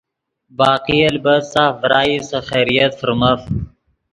باقی البت ساف ڤرائی سے خیریت فرمف۔